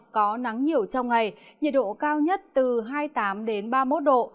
có nắng nhiều trong ngày nhiệt độ cao nhất từ hai mươi tám ba mươi một độ